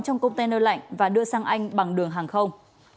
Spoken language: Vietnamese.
trong container lạnh và đưa sang anh bằng đường hàng không